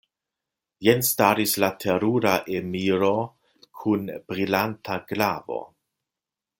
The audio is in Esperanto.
Jen staris la terura emiro kun brilanta glavo.